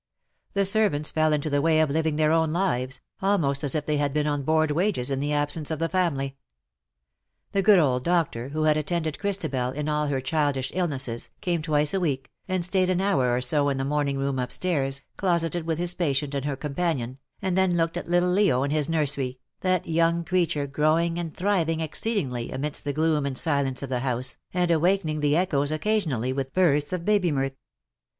The servants fell into the way of living their own lives_, almost as if they had been on board wages in the absence of the family. The good old doctor,, who had attended Christabel in all her childish illnesses, came twice a week, and stayed an hour or so in the morning room "upstairs, closeted with his patient and her companion, and then looked at little Leo in his nursery, that young creature growing and thriving exceedingly amidst the gloom and silence of the house, and awakening the echoes occasionally with bursts of baby mirth.